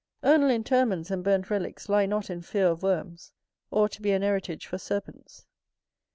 Urnal interments and burnt relicks lie not in fear of worms, or to be an heritage for serpents.